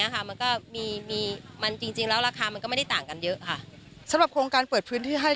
สำหรับโครงการเปิดพื้นที่ให้